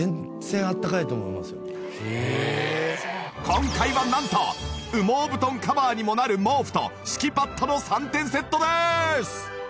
今回はなんと羽毛布団カバーにもなる毛布と敷きパッドの３点セットです！